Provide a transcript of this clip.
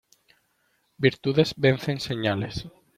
Virtudes vencen señales.